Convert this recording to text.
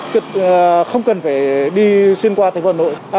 không cần phải đi xuyên qua thực vận hội